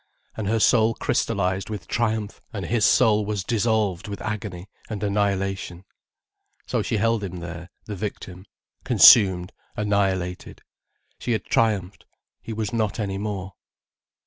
And her soul crystallized with triumph, and his soul was dissolved with agony and annihilation. So she held him there, the victim, consumed, annihilated. She had triumphed: he was not any more.